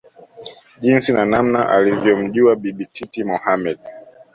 jinsi na namna alivyomjua Bibi Titi Mohamed